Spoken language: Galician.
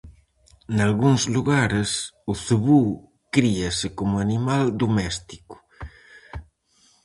Nalgúns lugares, o cebú críase como animal doméstico.